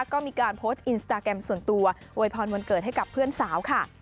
ก็มีการโพสต์อินสตาแกรมส่วนตัวโวยพรวันเกิดให้กับเพื่อนสาวค่ะ